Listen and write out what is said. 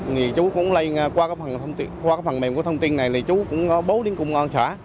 thì chú cũng lây qua cái phần mềm của thông tin này thì chú cũng bố đến công an trả